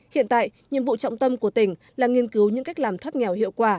hiện tại nhiệm vụ trọng tâm của tỉnh là nghiên cứu những cách làm thoát nghèo hiệu quả